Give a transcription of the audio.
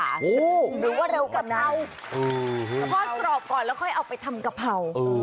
หรือว่าเร็วกะเพราทอดกรอบก่อนแล้วค่อยเอาไปทำกะเพรา